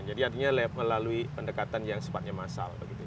jadi artinya lewat melalui pendekatan yang sempatnya masal